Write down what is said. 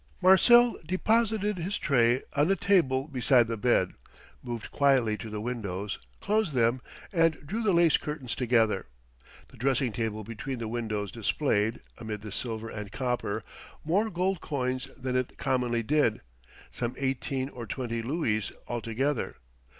Marcel deposited his tray on a table beside the bed, moved quietly to the windows, closed them, and drew the lace curtains together. The dressing table between the windows displayed, amid the silver and copper, more gold coins than it commonly did some eighteen or twenty louis altogether.